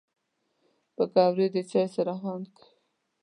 پکورې د چای سره خوند کوي